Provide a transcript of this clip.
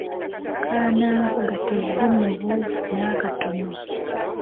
Kannanvuga teyali mubuufu n'akatono.